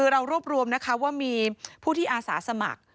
เรารวบรวมนะคะว่ามีผู้ที่อาสาสมัคร